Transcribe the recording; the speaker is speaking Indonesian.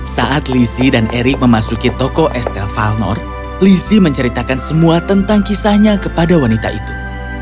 saat lizzie dan erick memasuki toko estel valnor lizzie menceritakan semua tentang kisahnya kepada wanita itu